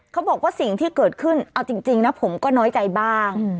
เขาบอกว่าสิ่งที่เกิดขึ้นเอาจริงนะผมก็น้อยใจบ้าง